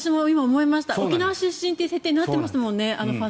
沖縄出身という設定になっていましたもんね。